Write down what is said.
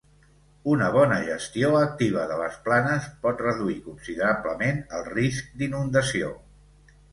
Una bona gestió activa de les planes pot reduir considerablement el risc d'inundació.